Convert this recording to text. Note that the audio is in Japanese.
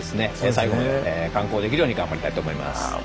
最後まで完工できるように頑張りたいと思います。